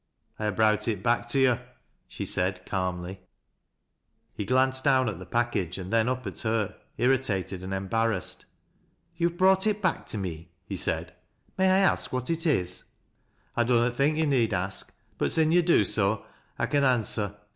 " I ha' browt it back to yo' ;" she said, calmly. TEE PAZKAOE RETUBNED. 177 He glanced down at the package and then tip at her, irritated and embarrassed. " You have brought it back to me ?" he said. '' Mjiy 1 aek what it is ?"'' I dunnot think yo' need ask ; but sin' yo' do so, I con inswer.